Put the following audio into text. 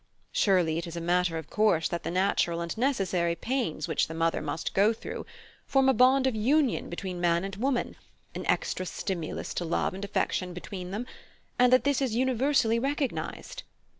Surely it is a matter of course that the natural and necessary pains which the mother must go through form a bond of union between man and woman, an extra stimulus to love and affection between them, and that this is universally recognised.